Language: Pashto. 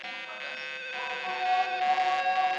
بیا شرنګی د پایزېبونو بیا پر سرو شونډو پېزوان کې